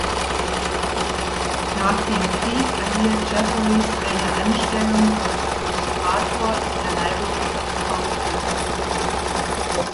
Nach dem Krieg erhielt Jefferies eine Anstellung als Illustrator in der Library of Congress.